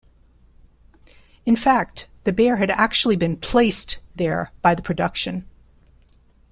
In fact, the bear had actually been "placed" there by the production.